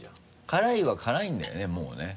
辛いは辛いんだよねもうね。